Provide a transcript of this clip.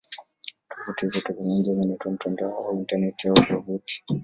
Tovuti zote pamoja zinaitwa "mtandao" au "Intaneti" au "wavuti".